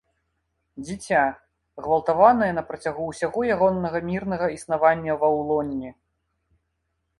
Дзіця, ґвалтаванае напрацягу ўсяго ягоннага мірнага існавання ва ўлонні.